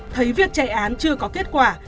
thấy việc chạy án chưa có kết quả